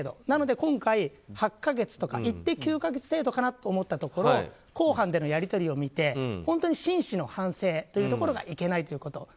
なので、今回は８か月か、いって９か月かなと思ったところ公判でのやり取りを見て本当に真摯の反省というところがいけないということ。